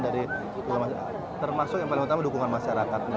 dari termasuk yang paling utama dukungan masyarakat